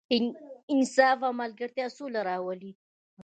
انصاف او ملګرتیا سوله راولي.